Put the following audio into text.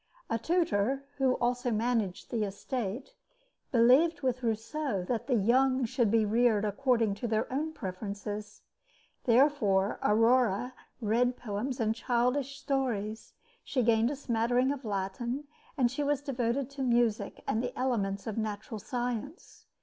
A tutor, who also managed the estate; believed with Rousseau that the young should be reared according to their own preferences. Therefore, Aurore read poems and childish stories; she gained a smattering of Latin, and she was devoted to music and the elements of natural science.